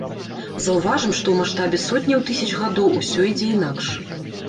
Заўважым, што ў маштабе сотняў і тысяч гадоў усё ідзе інакш.